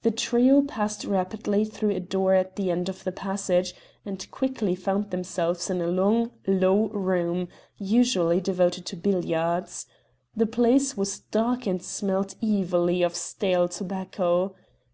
The trio passed rapidly through a door at the end of the passage, and quickly found themselves in a long, low room, usually devoted to billiards. The place was dark and smelled evilly of stale tobacco.